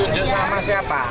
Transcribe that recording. itu sama siapa